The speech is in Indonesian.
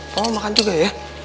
pa mau makan juga ya